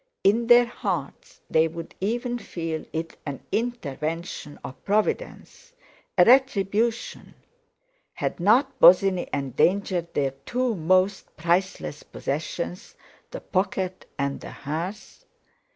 In their hearts they would even feel it an intervention of Providence, a retribution—had not Bosinney endangered their two most priceless possessions, the pocket and the hearth?